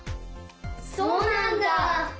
そうなんだ。